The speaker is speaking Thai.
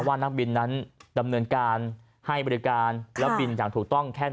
นักบินนั้นดำเนินการให้บริการแล้วบินอย่างถูกต้องแค่ไหน